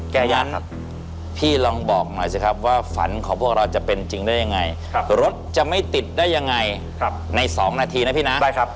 อย่างนั้นพี่ลองบอกหน่อยสิครับว่าฝันของพวกเราจะเป็นจริงได้ยังไงรถจะไม่ติดได้ยังไงใน๒นาทีนะพี่นะได้ครับ